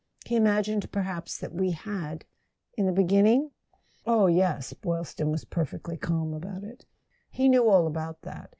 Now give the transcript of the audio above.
"He imagined perhaps that we had —in the begin¬ ning ?" "Oh, yes"—Boylston was perfectly calm about it —"he knew all about that.